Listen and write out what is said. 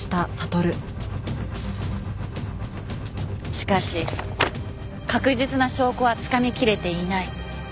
しかし確実な証拠はつかみ切れていない。